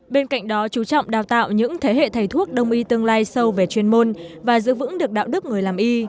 bên cạnh đó chú trọng đào tạo những thế hệ thầy thuốc đông y tương lai sâu về chuyên môn và giữ vững được đạo đức người làm y